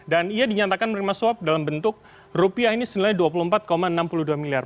dan ia dinyatakan menerima swap dalam bentuk rupiah ini sejumlahnya dua puluh empat enam puluh dua miliar